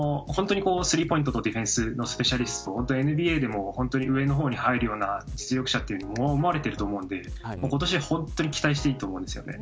本当にスリーポイントとディフェンスのスペシャリストＮＢＡでも上の方に入るような実力者だと思われてると思うんで今年本当に期待していいと思うんですよね。